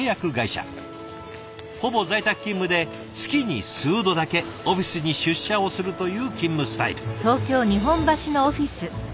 ほぼ在宅勤務で月に数度だけオフィスに出社をするという勤務スタイル。